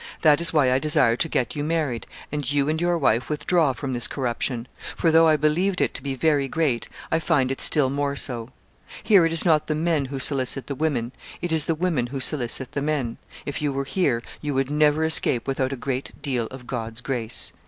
That is why I desire to get you married, and you and your wife withdraw from this corruption; for though I believed it to be very great, I find it still more so. Here it is not the men who solicit the women; it is the women who solicit the men. If you were here, you would never escape without a great deal of God's grace."